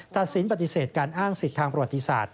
ตัดสินปฏิเสธการอ้างสิทธิ์ทางประวัติศาสต